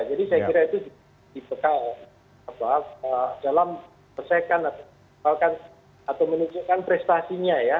jadi saya kira itu dibekal dalam menunjukkan prestasinya ya